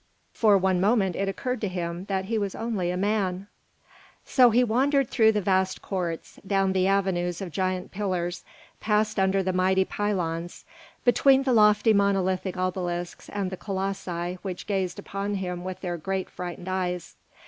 For one moment it occurred to him that he was only a man. So he wandered through the vast courts, down the avenues of giant pillars, passed under the mighty pylons, between the lofty monolithic obelisks and the colossi which gazed upon him with their great, frightened eyes.